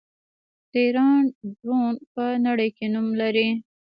د ایران ډرون په نړۍ کې نوم لري.